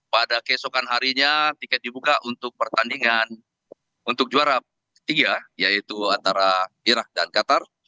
pada keesokan harinya tiket dibuka untuk pertandingan untuk juara ketiga yaitu antara irak dan qatar